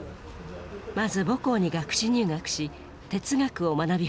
まず母校に学士入学し哲学を学び始めました。